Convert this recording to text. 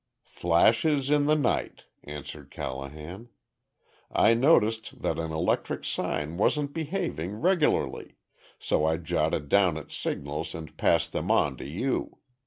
"Flashes in the night," answered Callahan. "I noticed that an electric sign wasn't behaving regularly so I jotted down its signals and passed them on to you.